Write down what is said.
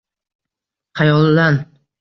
Xayolan